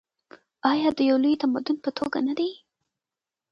آیا د یو لوی تمدن په توګه نه دی؟